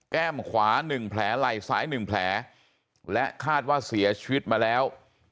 ขวา๑แผลไหล่ซ้าย๑แผลและคาดว่าเสียชีวิตมาแล้ว